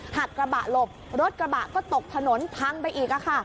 หักกระบะหลบรถกระบะก็ตกถนนพังไปอีกค่ะ